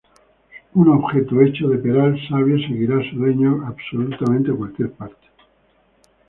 Un objeto hecho de peral sabio seguirá a su dueño a absolutamente cualquier parte.